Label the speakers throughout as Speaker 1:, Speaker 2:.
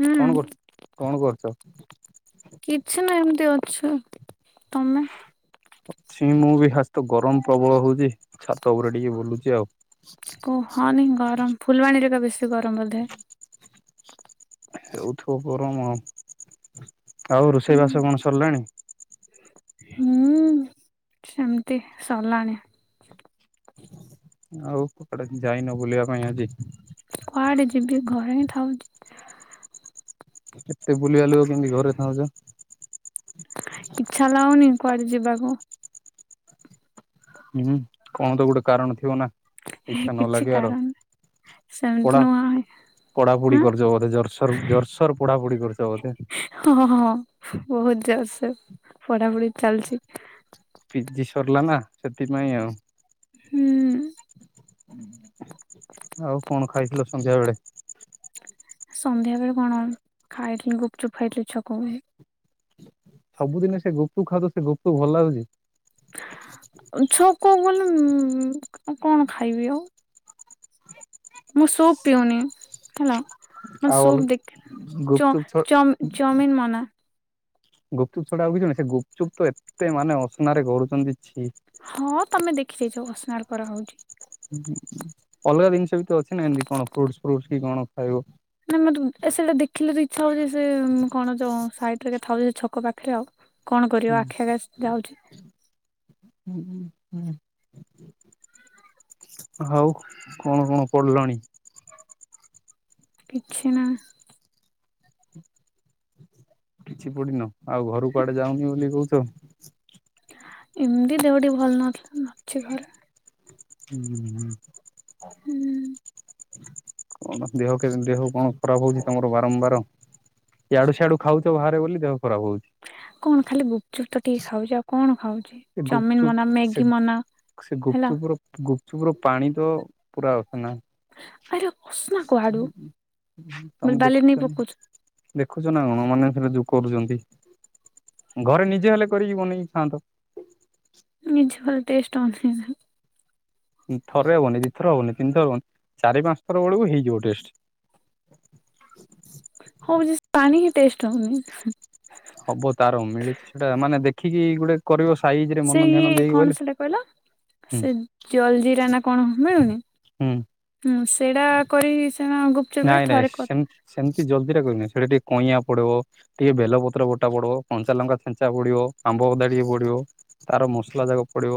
Speaker 1: ହୁଁ
Speaker 2: କଣ କରୁଚ କଣ କରୁଚ?
Speaker 1: କିଛି ନା ଏମତି ଅଛ ତମେ
Speaker 2: [unintelligible] ଛି ମୁଁ ବି ହାତ ଗରମ ପ୍ରବଳ ହଉଛି ଛାତ ଉପରେ ଟିକେ ବୁଲୁଛି ଆଉ
Speaker 1: କୁହନି ଗରମ ଫୁଲବାଣୀରେ ଏକା ବେଶୀ ଗରମ ବଧେ।
Speaker 2: [unintelligible] ହେଉଥିବ ଗରମ ଆଉ, ଆଉ ରୋଷେଇ ବାସ କଣ ସରିଲାଣି?
Speaker 1: ହୁଁ ସେମିତି ସରିଲାଣି।
Speaker 2: ଆଉ କୁଆଡେ ଯାଇନ ବୁଲିବା ପାଇଁ ଆଜି?
Speaker 1: କୁଆଡେ ଯିବି ଘରେ ହିଁ ଥାଉଛି।
Speaker 2: କେତେ ବୁଲିବା ଲୋକ କେମିତି ଘରେ ଥାଉଛ?
Speaker 1: ଇଚ୍ଛା ଲାଗୁନି କୁଆଡେ ଯିବାକୁ।
Speaker 2: ହୁଁ କଣ ତ ଗୋଟେ କାରଣ ଥିବ ନା ଇଚ୍ଛା ନ
Speaker 1: କିଛି
Speaker 2: ଲାଗିବାର।
Speaker 1: କାରଣ
Speaker 2: ପଢା
Speaker 1: ସେମିତି ନାହିଁ
Speaker 2: ପଢାପଢି କରୁଛ ବୋଧେ ଜରସୋର ଜୋରସୋର ପଢାପଢି କରୁଛ ବୋଧେ
Speaker 1: ହଁ ହଁ ବହୁତ ଜୋରସ ପଢାପଢି ଚାଲିଛି।
Speaker 2: ପଜିି ସରିଲା ନା ସେଥିପାଇଁ ଆଉ।
Speaker 1: ହୁଁ
Speaker 2: ଆଉ କଣ ଖାଇଥିଲ ସନ୍ଧ୍ୟା ବେଳେ?
Speaker 1: ସନ୍ଧ୍ୟା ବେଳେ କଣ ଖାଇଥିଲି? ଗୁପଚୁପ ଖାଇଥିଲି ଛକକୁ ଯାଇ।
Speaker 2: ସବୁଦିନ ସେ ଗୁପୁଚୁପ୍ ଖାଉଛ ସେ ଗୁପଚୁପ ଭଲ ଲାଗୁଛି?
Speaker 1: ଛକ କୁ ଗଲେ କଣ ଖାଇବି ଆଉ? ମୁଁ ସୁପ୍ ପିଉନି ହେଲା। ମୁଁ
Speaker 2: ଆଉ
Speaker 1: ସୁପ୍ ଦେଖ ଚ
Speaker 2: ଗୁପଚୁପ
Speaker 1: ଚ ଚାଉମିନ ମନା।
Speaker 2: ଗୁପଚୁପ ଛଡା ଆଉ କଛି ନାହିଁ ସେ ଗୁପଚୁପ ତ ଏତେ ମାନେ ଅସନାରେ କରୁଛନ୍ତି ଛି।
Speaker 1: ହଁ ତମେ ଦେଖି ଯାଇଛ ଅସନାରେ କରା ହଉଛି।
Speaker 2: ଅଲଗା ଜିନିଷ ବି ତ ଅଛି ନା ଏମିତି କଣ ଫ୍ରୁଟସ ଫ୍ରୁଟସ କି କଣ ଖାଇବ।
Speaker 1: ନା ମତେ ଏ ସେଇଟା ଦେଖିଲେ ତ ଇଚ୍ଛା ହଉଛି ସେ କଣ ଯ ସାଇଟ ରେ ଆକା ଥାଉଛି ସେ ଛକ ପାଖରେ ଆଉ କଣ କରିବ ଆଖି ଆଗରେ ସେ ଯାଉଛି।
Speaker 2: ହୁଁ ହୁଁ ଆଉ କଣ କଣ ପଡିଲଣି?
Speaker 1: କିଛି ନାହିଁ।
Speaker 2: କିଛି ପଢିନ ଆଉ ଘରୁ କୁଆଡେ ଯାଉନି ବୋଲି କହୁଛ।
Speaker 1: ଏମିତି ଦେହ ଟିକେ ଭଲ ନଥିଲା ଅଛି ଘରେ
Speaker 2: ହୁଁ
Speaker 1: ହୁଁ
Speaker 2: କଣ ଦେହ କେମିତି ଦେହ କଣ ଖରାପ ହଉଛି ତମର ବାରମ୍ବାର? ଏଆଡୁ ସିଆଡୁ ଖାଉଛ ବାହାରେ ବୋଲି ଦେହ ଖରାପ ହଉଛି।
Speaker 1: କଣ ଖାଲି ଗୁପଚୁପ ତ ଟିକେ ଖାଉଛି ଆଉ କଣ ଖାଉଛି।
Speaker 2: ସେ
Speaker 1: ଚାଉମିିନ
Speaker 2: ଗୁପଚୁପ୍
Speaker 1: ମନା ମ୍ୟାଗି ମନା ହେଲା।
Speaker 2: ଗୁପଚୁପ ର ପାଣି ତ ପୁରା ଅସନା
Speaker 1: ଆରେ ଅସନା କୁଆଡୁ
Speaker 2: ତମେ
Speaker 1: ବ ବାଲିରେ
Speaker 2: ଦେଖୁଛ
Speaker 1: ନେଇ ପକାଉଛୁ।
Speaker 2: ଦେଖୁଛ ନା କଣ? ମାନେ ସେ ଯ କରୁଛନ୍ତି ଘରେ ନିଜେ ହେଲେ କରିକି ବନେଇକି ଖାଆନ୍ତ।
Speaker 1: ନିଜେ କଲେ ଟେଷ୍ଟ ହେଉନି ଯେ
Speaker 2: ଥରେ ହବନି ଦିଥର ହବନି ତିନିଥର ହବନି ଚାରି ପାଞ୍ଚ ଥର ବେଳକୁ ହେଇଯିବ ଟେଷ୍ଟ।
Speaker 1: ହଉଛି ପାଣି ହିଁ ଟେଷ୍ଟ ହଉନି।
Speaker 2: ହବ ତାର ମିଳୁଛି ସେଟା ମାନେ ଦେଖିକି ଗୋଟେ କରିବ ସାଇଜ ରେ
Speaker 1: ସେ
Speaker 2: ମନ
Speaker 1: ଇଏ
Speaker 2: ଧ୍ୟାନ ଦେଇକି
Speaker 1: କଣ
Speaker 2: ବଲେ।
Speaker 1: ସେଟା କହିଲ
Speaker 2: ହୁଁ
Speaker 1: ସେ ଜଲଜିରା ନା କଣ ମିଳୁନି।
Speaker 2: ହୁଁ
Speaker 1: ହଁ ସେଇଟା କରି ସିନା ଗୁପ
Speaker 2: ନାଇଁ ନାଇଁ ସେ ସେମିତି ଜଲଜିରା କରନି ସେଟା ଟିକେ କଇଁଆ ପଡିବ। ଟିକେ ବେଲପତ୍ର ବୋଟା ପଡିବ କଞ୍ଚା ଲଙ୍କା ଛେଞ୍ଚା ପଡିବ ଆମ୍ବଅଦା ଟିକେ ପଡିବ। ତାର ମସଲା ଯାକ ପଡିବ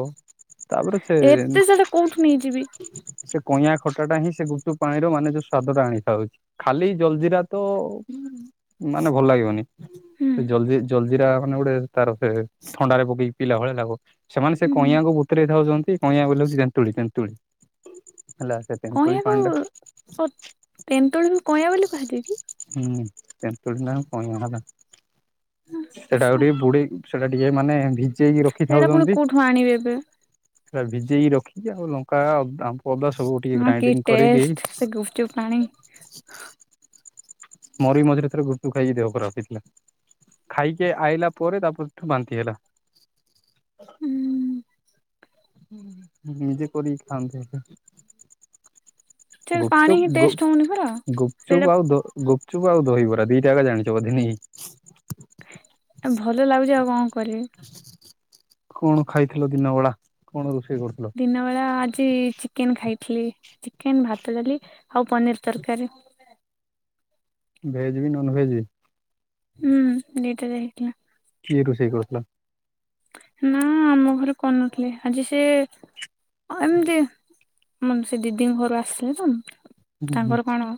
Speaker 2: ତାପରେ ସେ
Speaker 1: ଏତେ ସେଟା କୋଉଠୁ ନେଇଯିବି
Speaker 2: ସେ କଇଁଆ ଖଟା ଟା ହିଁ ସେ ଗୁପଚୁପ ପାଣିର ମାନେ ଯୋଉ ସ୍ୱାଦ ଟା ଆଣି ଥାଉଛି ଖାଲି ଜଲଜିିରା ତ ମାନେ ଭଲ ଲାଗିବନି।
Speaker 1: ହୁଁ
Speaker 2: ସେ ଜଲଜି ଜଲଜିରା ଟା ମାନେ ଗୋଟେ ତାର ସେ ଥଣ୍ଡାରେ ପକେଇକି ପିଇଲା ଭଳିଆ ଲାଗବ। ସେମାନେ ସେ
Speaker 1: ହୁଁ
Speaker 2: କଇଁଆକୁ ବୁତରେଇ ଥାଉଛନ୍ତି। କଇଁଆ ବୋଲେ ହେଉଛି ତେନ୍ତୁଳି ତେନ୍ତୁଳି ହେଲା ସେ ତେନ୍ତୁଳି
Speaker 1: କଇଁଆକୁ
Speaker 2: ପାଣିଟା
Speaker 1: ତେନ୍ତୁଳିକୁ କଇଁଆ ବୋଲି କୁହାଯାଏ କି?
Speaker 2: ହୁଁ ତେନ୍ତୁଳି ନା କଇଁଆ ହେଲା ସେଟା ଆଉ
Speaker 1: ଆଛା
Speaker 2: ଟିକେ ବୁଡେଇକି ସେଟା ଟିକେ ମାନେ ଭିଜେଇକି
Speaker 1: ସେଇଟା ପୁଣି
Speaker 2: ରଖିଥାଉଛନ୍ତି।
Speaker 1: କୋଉଠୁ ଆଣିବି ଏବେ
Speaker 2: ସେଟା ଭିଜେଇକି ରଖିକି ଆଉ ଲଙ୍କା ଆମ୍ୱ ଅଦା ସବୁ ଟିକେ ଗ୍ରାଇଣ୍ଡିଙ୍ଗ କରିକି
Speaker 1: ଚୁପ ପାଣି
Speaker 2: ମୋର ବି ମଝିରେ ଥରେ ଗୁପଚୁପ ଖାଇକି ଦେହ ଖରାପ ହେଇଥିଲା। ଖାଇକି ଆଇଲା ପରେ ତା ପରଠୁ ବାନ୍ତି ହେଲା।
Speaker 1: ହୁଁ
Speaker 2: ନିଜେ କରି ଖଆନ୍ତି ହେଲେ।
Speaker 1: ସେ ପାଣି ହିଁ
Speaker 2: ଗୁପଚୁପ
Speaker 1: ଟେଷ୍ଟ ହଉନି ପରା
Speaker 2: ଗୁପ
Speaker 1: ସେଇଟା
Speaker 2: ଗୁପଚୁପ ଆଉ ଦ ଗୁପଚୁପ ଆଉ ଦହିବରା ଦିଟା ଏକା ଜାଣିଛ ବଧେ ନାହିଁ।
Speaker 1: ଏ ଭଲ ଲାଗୁଛି ଆଉ କଣ କରିବି।
Speaker 2: କଣ ଖାଇଥିଲ ଦିନ ବେଳା? କଣ ରୋଷେଇ କରୁଥିଲ?
Speaker 1: ଦିନ ବେଳା ଆଜି ଚିକେନ ଖାଇଥିଲି। ଚିକେନ୍ ଭାତ ଡାଲି ଆଉ ପନିର ତରକାରୀ।
Speaker 2: ଭେଜ ବି ନନ ଭେଜ ବି।
Speaker 1: ହୁଁ ଦି ଟା ଯାକ ହେଇଥିଲା।
Speaker 2: କିଏ ରୋଷେଇ କରୁଥିଲା?
Speaker 1: ନା ଆମ ଘରେ କରିନଥିଲେ। ଆଜି ସେ ଏମିତି ମାନେ ସେ ଦିଦିଙ୍କ ଘରୁ ଆସିଲେ ତ
Speaker 2: ହୁଁ ହୁଁ
Speaker 1: ତାଙ୍କର କଣ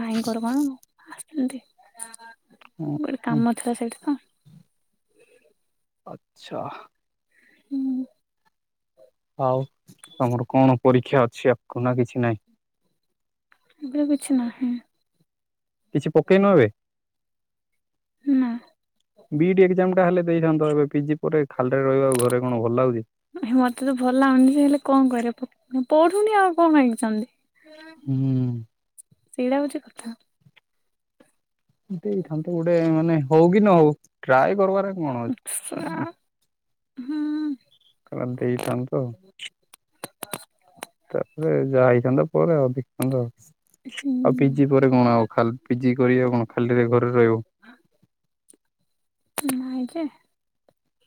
Speaker 1: ଭାଇଙ୍କର କଣ ଆସଛନ୍ତି।
Speaker 2: ହୁଁ
Speaker 1: ଗୋଟେ
Speaker 2: ହୁଁ
Speaker 1: କାମ ଥିଲା ସେଇଠି ତ
Speaker 2: ଆଚ୍ଛା
Speaker 1: ହୁଁ
Speaker 2: ଆଉ ତମର କଣ ପରୀକ୍ଷା ଅଛି ଆଗକୁ? ନା କିଛି ନାହିଁ।
Speaker 1: ଏବେ କିଛି ନାହିଁ।
Speaker 2: କିଛି ପକେଇ ନ ଏବେ।
Speaker 1: ନା
Speaker 2: ବି ଇ ଡି ଏକ୍ଜାମ ଟା ହେଲେ ଦେଇଥାନ୍ତତା ଏବେ ପିଜି ପରେ ଖାଲିଟାରେ ରହିବା ଆଉ, ଘରେ କଣ ଭଲ ଲାଗୁଛି?
Speaker 1: ମତେ ତ ଭଲ ଲାଗୁନି ସେ ହେଲେ କଣ କରିବା ପଢୁନି ଆଉ କଣ ଏକ୍ସାମ ଦେବି।
Speaker 2: ହୁଁ
Speaker 1: ସେଇଟା ହଉଛି କଥା।
Speaker 2: ଦେଇଥାନ୍ତେ ଗୋଟେ ମାନେ ହଉ କି ନ ହଉ ଟ୍ରାଏ କରିବାର କଣ ଅଛି।
Speaker 1: ହୁଁ
Speaker 2: ସେଟା ଦେଇଥାନ୍ତ। ତାପରେ ଯାହା ହେଇଥାନ୍ତା ପରେ ଆଉ ଦେଖିଥାନ୍ତ ଆଉ ଆଉ ପିଜି ପରେ କଣ ଆଉ ଖାଲି ପିଜି କରିବା କଣ ଖାଲିରେ ଘରେ ରହିବ?
Speaker 1: ନାଇଁ ଯେ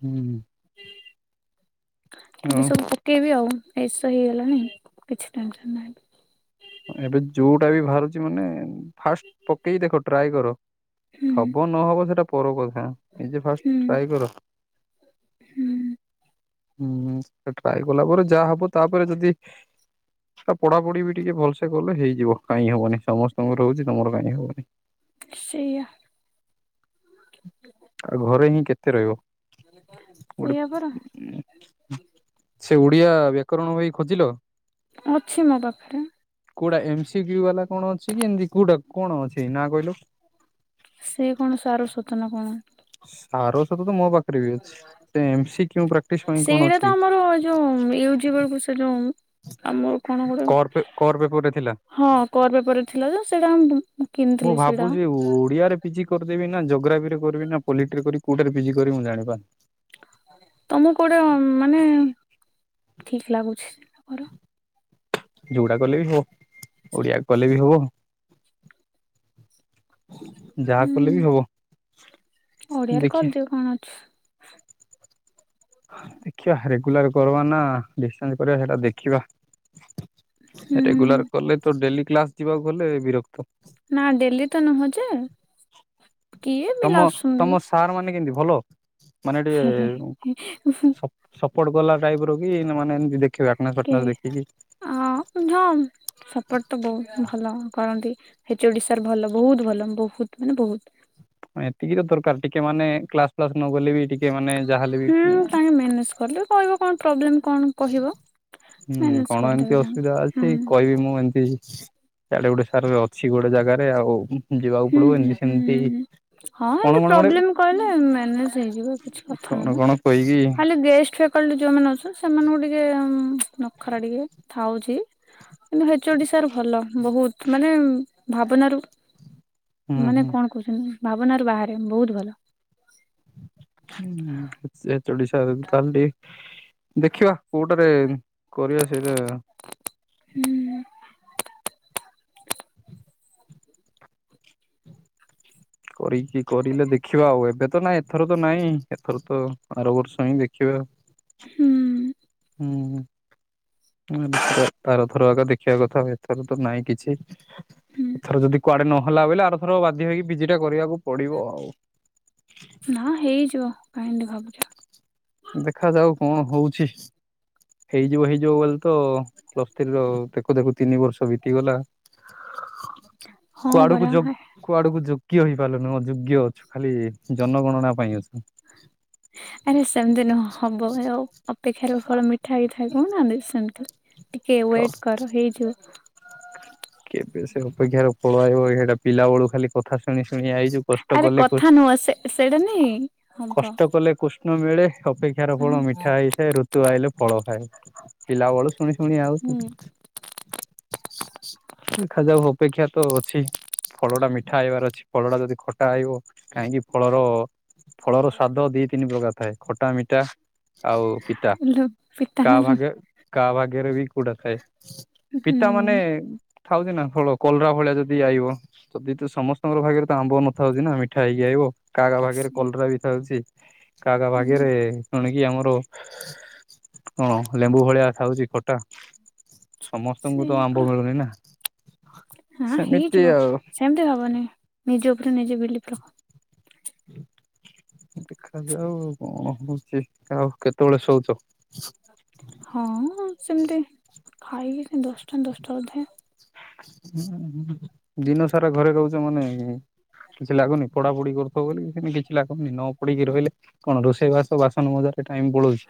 Speaker 2: ହୁଁ
Speaker 1: ଏବେ
Speaker 2: ଆଉ
Speaker 1: ସବୁ ପ କେଇବି ଆଉ ଏ ଏସ୍ ଓ ହେଇଗଲାଣି କିଛି ଟେନସନ୍ ନାହିଁ।
Speaker 2: ଏବେ ଯୋଉଟା ବି ଭାରୁଚି ମାନେ ଫାଷ୍ଟ ପକେଇ ଦେଖ ଟ୍ରାଏ କର।
Speaker 1: ହୁଁ
Speaker 2: ହବ ନହବ ସେଟା ପର କଥା ନିଜେ
Speaker 1: ହୁଁ
Speaker 2: ଫାଷ୍ଟ ଟ୍ରାଏ କର।
Speaker 1: ହୁଁ
Speaker 2: ହୁଁ ହୁଁ ସେ ଟ୍ରାଏ କଲା ପରେ ଯାହା ହବ ତାପରେ ଯଦି ତା ପଢା ପଢି ଟିକେ ଭଲ୍‌ ସେ କଲେ ହେଇଯିବ କାଇଁ ହବନି ସମସ୍ତଙ୍କର ହଉଚି ତମର କାଇଁ ହବନି?
Speaker 1: ସେଇଆ।
Speaker 2: ଆଉ ଘରେ ହିଁ କେତେ ରହିବ ଗୋଡ଼େ
Speaker 1: ସେଇଆ ପରା
Speaker 2: ଉ ଉ ଉ ଛେ ଓଡିଆ ବ୍ୟାକରଣ ବହି ଖୋଜିଲ?
Speaker 1: ଅଛି ମ ପାଖ୍ ରେ।
Speaker 2: କୋଉଡା ଏମସି କ୍ୟୁ ବାଲା କଣ ଅଛି କି ଏମ୍ ତି କୋଉଡା କଣ ଅଛି ନାଁ କହିଲୁ?
Speaker 1: ସେ କଣ ସାରସ୍ଵତ ନା କଣ?
Speaker 2: ସାରସ୍ଵତ ତ ମ ପାଖରେ ବି ଅଛି ଟେ ଏମ ସି କ୍ୟୁ କେଉଁ ପ୍ରାକ୍ଟିସ ପାଇଁ କଣ
Speaker 1: ସେଇଟା ତ
Speaker 2: ଅଛି?
Speaker 1: ଆମର ଯୋଉ ୟୁଜି ବେଳକୁ ସେ ଯୋଉ ଆମ
Speaker 2: କଡ୍‌ ପେ କର୍ ପେକ୍ ଗୋଟେ ଥିଲା।
Speaker 1: ହଁ କଡ୍‌ ପେପର ରେ ଥିଲା ଯେ ସେଇଟା ବୁ ମୁଁ
Speaker 2: ମୁଁ
Speaker 1: କିନ୍‌ଥିଲି ସେଇଡ଼ା।
Speaker 2: ଭାବୁଛି ଓଡିଆରେ ପିଜି କରିଦେବି ନା ଜୋଗ୍ରାଫିରେ କରିବି ନା ପଲିଟିରେ କରିବି କୋଉଟାରେ ପିଜି କରିବି ମୁଁ ଜାଣିପାନ୍‌
Speaker 1: ତମୁକ୍ କୋଉଡା ମାନେ ଠିକ୍ ଲାଗୁଛି ତ କର।
Speaker 2: ଯୋଉଡା କଲେ ବି ହବ ଓଡିଆ କଲେ ବି ହବ ଯାହା କଲେ ବି
Speaker 1: ହୁଁ
Speaker 2: ହବ ଦେଖିଆ।
Speaker 1: ବେ କଣ ଅଛି?
Speaker 2: ଦେଖିବା ରେଗୁଲାର କରବା ନା ଡିଷ୍ଟାନ୍ସ କରିଆ ସେଇଟା ଦେଖିବା।
Speaker 1: ହୁଁ
Speaker 2: ରେଗୁଲାର କଲେ ତ ଡେଲି କ୍ଲାସ ଯିବାକୁ ଗଲେ ବିରକ୍ତ।
Speaker 1: ନା ଡେଲି ତ ନୁହ ଯେ କିଏ ପିଲା
Speaker 2: ତମ
Speaker 1: ଆସୁଛନ୍ତି
Speaker 2: ତମ ସାର୍ ମାନେ କେମ୍ ତି ଭଲ ମାନେ
Speaker 1: ହେ ହେ
Speaker 2: ଡିକେ
Speaker 1: ହେ
Speaker 2: ସପୋଡ୍‌ କଲା ଟାଇପ୍ ର କି ନା ମାନେ ଏମିତି ଦେଖିବ ଆଟନାସ ଫାଟନାସ ଦେଖିକି
Speaker 1: ଆଁ ଉଁ ଝାମ୍। ସପୋର୍ଟ ତ ବହୁତ ଭଲ କରନ୍ତି ହେଚ୍ ଓ ଡି ସାର୍ ଭଲ ବହୁତ୍‌ ଭଲ ବହୁତ୍‌ ମାନେ ବହୁତ୍।
Speaker 2: ନାଇ ଏତିକି ତ ଦରକାର ଟିକେ ମାନେ କ୍ଲାସ ଫ୍ଲାସ ନ ଗଲେ ବି ଟିକେ ମାନେ ଯାହେଲେ ବି
Speaker 1: ଖୋଲିକ୍ କହିବ କଣ୍ ପ୍ରୋବ୍ଲେମ୍ କଣ? କହିବ
Speaker 2: ହୁଁ
Speaker 1: ମ୍ୟାନେଜ
Speaker 2: କଣ ଏମ୍
Speaker 1: କରିଦେବେ
Speaker 2: ତି
Speaker 1: ତାଙ୍କ
Speaker 2: ଅସୁବିଧା
Speaker 1: ହୁଁ
Speaker 2: ଅଛି କହିବି ମୁଁ ଏମ୍ ତି ହେଛି। ତାଲେ ଗୋଟେ ସାରରେ ଅଛି ଗୋଡେ ଜାଗାରେ ଆଉ ଉଁ ଉଁ ଯିବାକୁ
Speaker 1: ହୁଁ
Speaker 2: ପଡିବ ଏମ୍
Speaker 1: ହୁଁ
Speaker 2: ତି
Speaker 1: ହୁଁ
Speaker 2: ସେମ୍ ତି।
Speaker 1: ହୁଁ। ହଁ ଏମତି ପ୍ରୋବ୍ଲେମ୍ କହିଲେ ମ୍ୟାନେଜ୍‌ ହେଇଯିବ କିଛି କଥା
Speaker 2: କଣ
Speaker 1: ନାହିଁ ମ
Speaker 2: କଣ କହିକି
Speaker 1: ଖାଲି ଗେଷ୍ଟ ଫ୍ୟାକ୍ କାଳେ ଯୋଉ ମାନେ ଅଛନ୍ ସେମାନଙ୍କୁ ଟିକେ ନଖରା ଟିକେ ଥାଉଛି। କିନ୍ତୁ ହେଚ ଓ ଡି ସାର୍ ଭଲ ବହୁତ ମାନେ ଭାବନାରୁ
Speaker 2: ହୁଁ
Speaker 1: ମାନେ
Speaker 2: ହୁଁ
Speaker 1: କଣ କହୁଛନ୍ତି ଭାବନାରୁ ବାହାରେ ବହୁତ ଭଲ।
Speaker 2: ହୁଁ ଏ ସେ ଏଚ୍ ଓ ଡ଼ି ସାର୍ ତାହାଲ୍‌ ଡିକେ ଦେଖିବା କୋଉଟାରେ କରିଆ ସେଇଟା
Speaker 1: ହୁଁ।
Speaker 2: କରିକି କରିଲେ ଦେଖିବା ଆଉ ଏବେ ତ ନାଇଁ ଥର ତ ନାଇଁ ଏଥର ତ ଆର ବର୍ଷ ହିଁ ଦେଖିବା।
Speaker 1: ହୁଁଁ।
Speaker 2: ହୁଁ ଉଁ। ଆରଥର ଆଗ ଦେଖିବା କଥା ଏଥର ତ ନାଇଁ କିଛି।
Speaker 1: ହୁଁ
Speaker 2: ଏଥର ଯଦି କୁଆଡେ ନହଲା ବୋଇଲେ ଆରଥର ବାଧ୍ୟ ହେଇକି ପିଜି ଟା କରିବାକୁ ପଡିବ ଆଉ।
Speaker 1: ନା ହେଇଯିବ କାହିଁକି ଭାବୁଛ।
Speaker 2: ଦେଖାଯାଉ କଣ ହଉଛି? ହେଇଯିବ ହେଇଯିବ ବୋଲି ତ ପ୍ଲସ ଥ୍ରି ର ଦେଖୁ ଦେଖୁ ତିନି ବର୍ଷ ବିତିଗଲା।
Speaker 1: ହଁ
Speaker 2: କୁଆଡକୁ
Speaker 1: ପରା
Speaker 2: ଯୋଗ କୁଆଡକୁ ଯୋଗ୍ୟ ହେଇପାରିଲୁନି ଅଯୋଗ୍ୟ ଅଛୁ ଖାଲି ଜନଗଣନା ପାଇଁ ଅଛୁ।
Speaker 1: ଆରେ ସେମତି ନ ହବ ଆଉ। ଅପେକ୍ଷାରେ ଫଳ ମିଠା ହେଇଥାଏ କହୁନାହାନ୍ତି ସେମତି ଟିକେ
Speaker 2: କ
Speaker 1: ୱେଟ କର ହେଇଯିବ।
Speaker 2: କେବେ ସେ ଅପେକ୍ଷାରେ ପଳ ଆଇବ ସେଟା ପିଲା ବେଳୁ ଖାଲି କଥା ଶୁଣି ଶୁଣି ଆଇଛୁ। କଷ୍ଟ
Speaker 1: ଆରେ
Speaker 2: କଲେ କ
Speaker 1: କଥା ନୁହଁ ସେ ସେଇଟା ନାଇଁ ହବ।
Speaker 2: କଷ୍ଟ କଲେ କୁଷ୍ଟ କୃ ଷ୍ଣ ମିଳେ ଅପେକ୍ଷାର ଫଳ
Speaker 1: ହୁଁ
Speaker 2: ମିଠା ହେଇଥାଏ ଋତୁ ଆଇଲେ ଫଳ ଖାଏ ପିଲାବେଳୁ ଶୁଣି ଶୁଣି ଆଉ
Speaker 1: ହୁଁ
Speaker 2: ଦେଖାଯାଉ ଅପେକ୍ଷା ତ ଅଛି। ଫଳ ଟା ମିଠା ହେଇବାର ଅଛି ଫଳ ଟା ଯଦି ଖଟା ହେଇବ କାହିଁକି ଫଳର ଫଳର ସ୍ଵାଦ ଦି ତିନି ପ୍ରକାର ଥାଏ ଖଟା ମିଠା। ଆଉ ପିତା
Speaker 1: ଲୁ ପିତା
Speaker 2: କା
Speaker 1: ନା ଲୁ
Speaker 2: ଭାଗ କା ଭାଗରେ ବି କୁଟା ଥାଏ। ପିତା ମାନେ
Speaker 1: ହୁଁ
Speaker 2: ଥାଉଛି ନା ଫଳ କଲରା ଭଳିଆ ଯଦି ଆଇବ ଯଦି ତ ସମସ୍ତଙ୍କର ଭାଗରେ ଆମ୍ବ ନଥାଉଛି ନା ମିଠା ହେଇକି ଆଇିବ କା କା ଭାଗରେ
Speaker 1: ସେ
Speaker 2: କଲରା ବି ଥାଉଛି। କା କା ଭାଗ୍ୟ
Speaker 1: ହୁଁ
Speaker 2: ରେ ତଣିକି ଆମର କଣ ଲେମ୍ବୁ ଭଳିଆ ଥାଉଛି ଖଟା। ସମସ୍ତଙ୍କୁ ତ
Speaker 1: ସେଇଆ
Speaker 2: ଆମ୍ବ
Speaker 1: ପରା
Speaker 2: ମିଳୁନି ନା
Speaker 1: ହଁ
Speaker 2: ସେମିତି
Speaker 1: ହେଇଯିବ
Speaker 2: ଆଉ।
Speaker 1: ସେମିତି ହବନି ନିଜ ଉପରେ ନିଜ ବିଲିପ ରଖ।
Speaker 2: ଦେଖାଯାଉ କଣ ହଉଛି ଆଉ। କେତେବେଳେ ଶୋଉଛ?
Speaker 1: ହଁ ସେମିତି ଖାଇକି ସେ ଦଶଟା ଦଶଟା ଅଧେ।
Speaker 2: ଦିନ ସାରା ଘରେ ରହୁଛ ମାନେ କିଛି ଲାଗୁନି ପଢାପଢି କରୁଥିବ ବୋଲି ସେ କିଛି ଲାଗୁନି ନ ପଢିକି ରହିଲେ କଣ ରୋଷେଇବାସ ବାସନ ମଜାରେ ଟାଇମ ପଳଉଛି?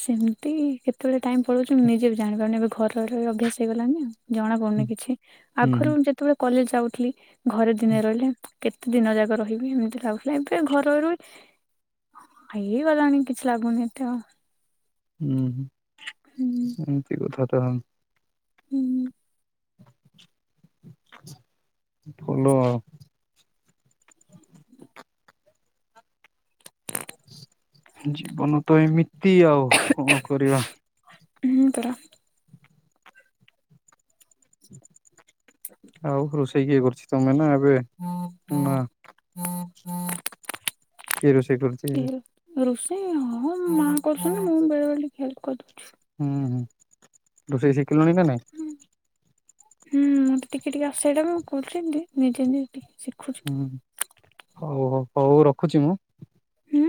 Speaker 1: ସେମତି କେତେବେଳେ ଟାଇମ୍ ପଳାଉଛି ମୁଁ ନିଜେ ବି ଜାଣିପାରୁନି ଏବେ ଘରେ ରହି ରହି ଅଭ୍ୟାସ ହେଇଗଲଣିି ଆଉ। ଜଣା ପଡୁନି କିଛି
Speaker 2: ହୁଁ
Speaker 1: ଆଗରୁ ମୁ ଯେତେବେଳେ କଲେଜ ଯାଉଥିଲି, ଘରେ ଦିନେ ରହିଲେ କେତେ ଦିନ ଯାକ ରହିବି ଏମିତି ଲାଗୁଥିଲା ଏବେ ଘରରୁ ଇଏ ଗଲାଣି କି ଛି ଲାଗୁନ ଏତେ ଆଉ
Speaker 2: ହୁଁ ଏମିତି କଥା ତ
Speaker 1: ହୁଁ ହୁଁ
Speaker 2: ଭଲ ଆଉ ଜୀବନ ତ ଏମିତି ଆଉ କଣ କରିବା।
Speaker 1: ହୁଁ ପରା
Speaker 2: ଆଉ ରୋଷେଇ କିଏ କରୁଛି? ତମେ ନା ମା କିଏ ରୋଷେଇ କରୁଛି? ହୁଁ
Speaker 1: ରୋଷେଇ ହଁ ମା କରୁଛନ୍ତି ମୁଁ ବେଳେ ବେଳେ ଟିକେ ହେଲ୍ପ କରିଦଉଛି।
Speaker 2: ହୁଁ ହଁ ରୋଷେଇ ଶିଖିଲୁନି ନା ନାହିଁ?
Speaker 1: ହଁ ହୁଁ ମୋରେ ଟିକେ ଟିକେ ଆସ ଏଇଟା ବି ମୁଁ କହୁଥିଲି ନିଜେ ନିଜେ ଟିକେ ଶିଖୁଛି
Speaker 2: ହୁଁ ହଉ ହଉ ହଉ ରଖୁଛି ମୁଁ।
Speaker 1: ହୁଁ